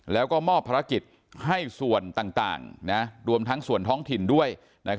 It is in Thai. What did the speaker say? แล้วก็มอบภารกิจให้ส่วนต่างรวมทั้งส่วนท้องถิ่นด้วย